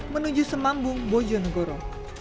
menuju semambung bojonegoro